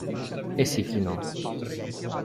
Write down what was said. E si chinò.